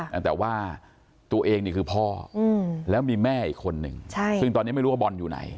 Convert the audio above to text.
แต่ว่าตัวเองนี่คือพ่ออืมแล้วมีแม่อีกคนหนึ่งใช่ซึ่งตอนนี้ไม่รู้ว่าบอลอยู่ไหน